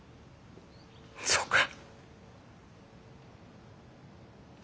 そうか。